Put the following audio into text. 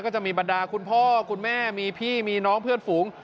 จะมีบรรดาคุณพ่อคุณแม่มีพี่มีน้องเพื่อนฝูง